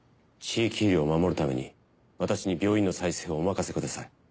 地域医療を守るために私に病院の再生をお任せください。